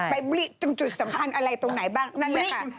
ตรงจุดสำคัญอะไรตรงไหนบ้างนั่นแหละค่ะ